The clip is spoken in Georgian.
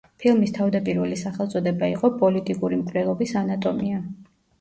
ფილმის თავდაპირველი სახელწოდება იყო „პოლიტიკური მკვლელობის ანატომია“.